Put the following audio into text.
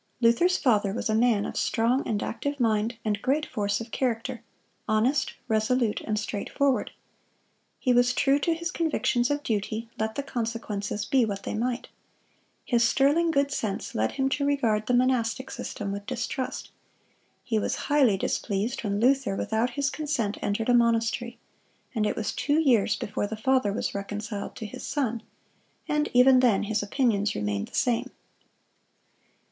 Luther's father was a man of strong and active mind and great force of character, honest, resolute, and straight forward. He was true to his convictions of duty, let the consequences be what they might. His sterling good sense led him to regard the monastic system with distrust. He was highly displeased when Luther, without his consent, entered a monastery; and it was two years before the father was reconciled to his son, and even then his opinions remained the same.